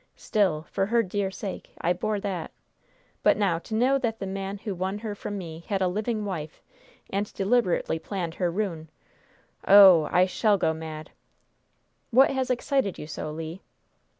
Still, for her dear sake, I bore that. But now, to know that the man who won her from me had a living wife, and deliberately planned her ruin Oh h h! I shall go mad!" "What has excited you so, Le?"